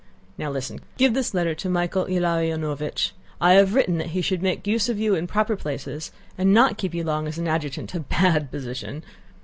Now listen! Give this letter to Michael Ilariónovich. * I have written that he should make use of you in proper places and not keep you long as an adjutant: a bad position!